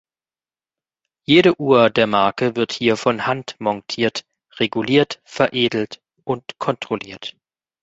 Jede Uhr der Marke wird hier von Hand montiert, reguliert, veredelt und kontrolliert.